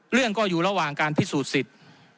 เรื่องก็อยู่ระหว่างการพิสูจน์สิทธิ์